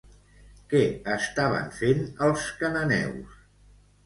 Què estaven fent els cananeus?